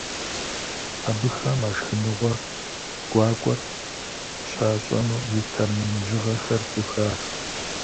Абыхэм а шхыныгъуэ гуакӏуэр щащӏэну гектар мин бжыгъэхэр хухах.